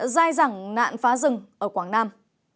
giai rẳng nạn phá rừng ở quảng nam